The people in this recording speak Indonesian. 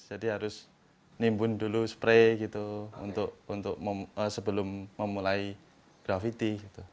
jadi harus nimbun dulu spray gitu untuk sebelum memulai grafiti